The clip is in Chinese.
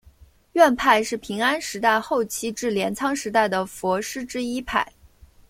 院派是平安时代后期至镰仓时代的佛师之一派。